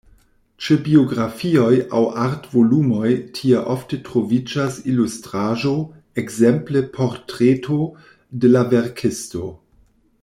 Ĉe biografioj aŭ art-volumoj tie ofte troviĝas ilustraĵo, ekzemple portreto de la verkisto.